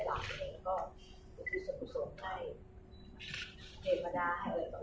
แล้วก็พูดถึงส่วนใจเหตุประดาษอะไรก็เลย